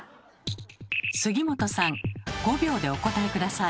杉本さん５秒でお答え下さい。